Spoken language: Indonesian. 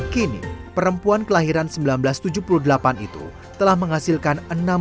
kini perempuan kelahiran seribu sembilan ratus tujuh puluh delapan itu telah menghasilkan